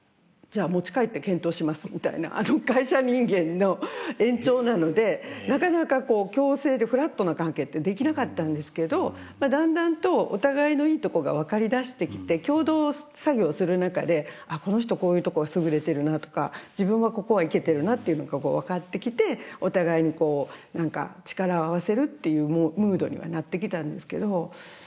じゃあ持ち帰って検討しますみたいな会社人間の延長なのでなかなか共生でフラットな関係ってできなかったんですけどだんだんとお互いのいいとこが分かりだしてきて共同作業する中でこの人こういうとこが優れてるなとか自分はここはいけてるなというのが分かってきてお互いに何か力を合わせるっていうムードにはなってきたんですけど。